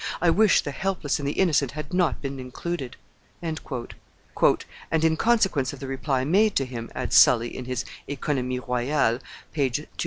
I wish the helpless and the innocent had not been included." "And in consequence of the reply made to him," adds Sully in his (Economies royales t. i.